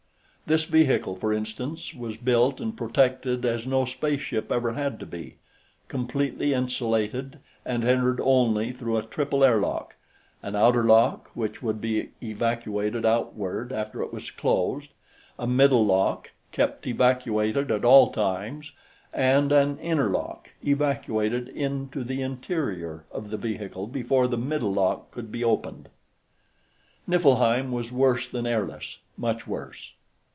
This vehicle, for instance, was built and protected as no spaceship ever had to be, completely insulated and entered only through a triple airlock an outer lock, which would be evacuated outward after it was closed, a middle lock kept evacuated at all times, and an inner lock, evacuated into the interior of the vehicle before the middle lock could be opened. Niflheim was worse than airless, much worse.